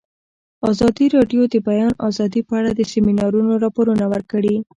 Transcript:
ازادي راډیو د د بیان آزادي په اړه د سیمینارونو راپورونه ورکړي.